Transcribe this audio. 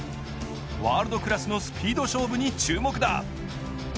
ワールドクラスのスピード勝負に注目だ。